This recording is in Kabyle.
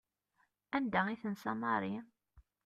Anda i tensa Mary?